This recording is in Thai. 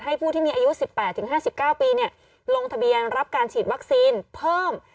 ผู้ที่มีอายุ๑๘๕๙ปีลงทะเบียนรับการฉีดวัคซีนเพิ่ม